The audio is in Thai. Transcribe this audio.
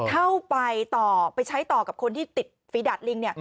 เข้าไปต่อไปใช้ต่อกับคนที่ติดฟีดาดลิง